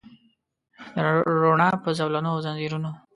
د روڼا په زولنو او ځنځیرونو